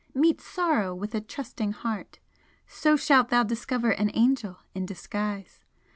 Meet Sorrow with a trusting heart so shalt thou discover an angel in disguise!